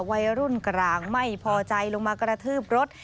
วัยรุ่นกลางไม่พอใจลงมากระทืบรถ